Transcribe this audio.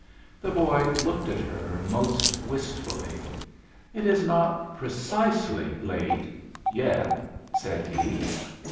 The boy looked at her most wistfully. "It is not precisely late yet," said he.